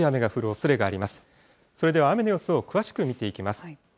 それでは雨の様子を詳しく見ていきます。